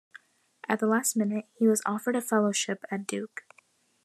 At the last minute, he was offered a fellowship at Duke.